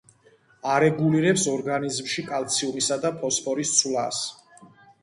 არეგულირებს ორგანიზმში კალციუმისა და ფოსფორის ცვლას.